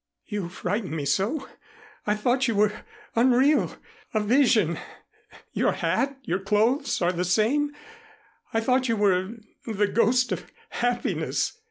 "You frightened me so. I thought you were unreal a vision your hat, your clothes are the same. I thought you were the ghost of happiness."